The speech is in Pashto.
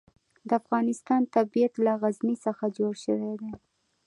د افغانستان طبیعت له غزني څخه جوړ شوی دی.